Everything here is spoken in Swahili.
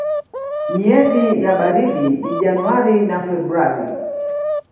Miezi ya baridi ni Januari na Februari.